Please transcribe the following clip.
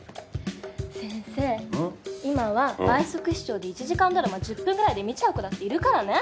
先生今は倍速視聴で１時間ドラマ１０分ぐらいで見ちゃう子だっているからね。